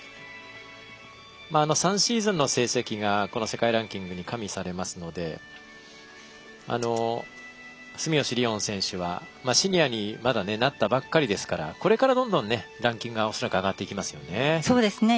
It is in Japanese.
３シーズンの成績がこの世界ランキングに加味されますので住吉りをん選手はシニアにまだなったばっかりですからこれからどんどんランキングが上がってきますよね。